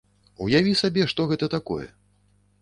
Уяві сабе, што гэта такое.